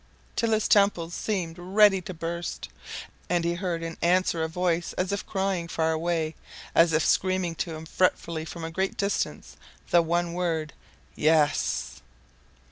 till his temples seemed ready to burst. And he heard in answer a voice, as if crying far away, as if screaming to him fretfully from a very great distance, the one word "Yes!"